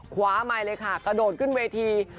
ขวาใหม่เลยค่ะกระโดดขึ้นเวที